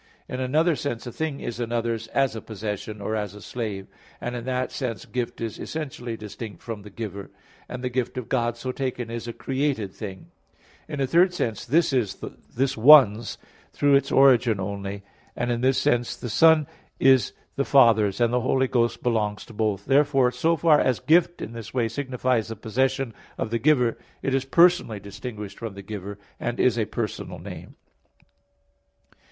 In another sense, a thing is another's as a possession, or as a slave; and in that sense gift is essentially distinct from the giver; and the gift of God so taken is a created thing. In a third sense "this is this one's" through its origin only; and in this sense the Son is the Father's; and the Holy Ghost belongs to both. Therefore, so far as gift in this way signifies the possession of the giver, it is personally distinguished from the giver, and is a personal name.